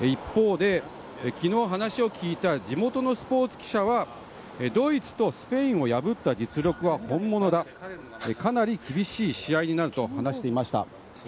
一方で、昨日話を聞いた地元のスポーツ記者はドイツとスペインを破った実力は本物だかなり厳しい試合になると話していました。